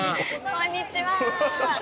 ◆こんにちは。